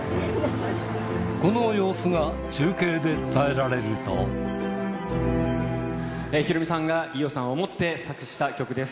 この様子が中継で伝えられるヒロミさんが伊代さんを思って作詞した曲です。